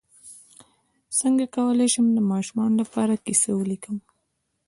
څنګه کولی شم د ماشومانو لپاره کیسه ولیکم